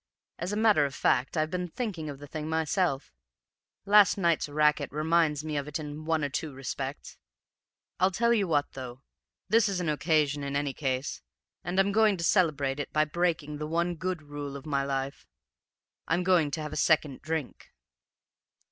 As a matter of fact I've been thinking of the thing myself; last night's racket reminds me of it in one or two respects. I tell you what, though, this is an occasion in any case, and I'm going to celebrate it by breaking the one good rule of my life. I'm going to have a second drink!"